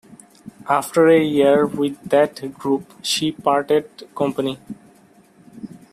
After a year with that group she parted company.